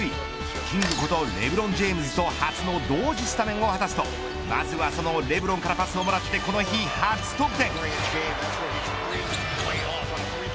キングことレブロン・ジェームズと初の同時スタメンを果たすとまずはそのレブロンからパスをもらってこの日、初得点。